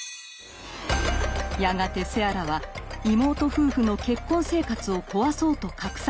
やがてセアラは妹夫婦の結婚生活を壊そうと画策し始めます。